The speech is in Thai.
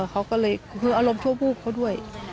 เขาก็เลยคืออารมณ์ชั่ววูบเขาด้วย